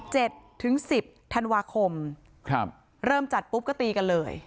ถึงสิบธันวาคมครับเริ่มจัดปุ๊บก็ตีกันเลย